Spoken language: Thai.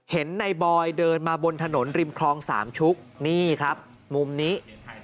เห็นในบอยเดินมาบนถนนริมคลองสามชุกนี่ครับมุมนี้